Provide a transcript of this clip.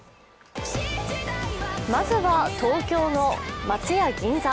まずは、東京の松屋銀座。